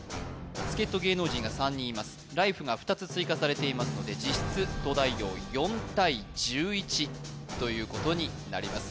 助っ人芸能人が３人いますライフが２つ追加されていますので実質東大王４対１１ということになります